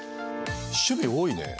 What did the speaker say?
趣味多いね。